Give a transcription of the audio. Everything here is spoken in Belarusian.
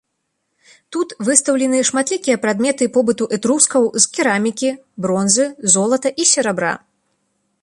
Тут выстаўлены шматлікія прадметы побыту этрускаў з керамікі, бронзы, золата і серабра.